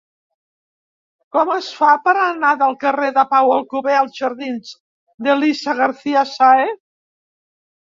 Com es fa per anar del carrer de Pau Alcover als jardins d'Elisa García Sáez?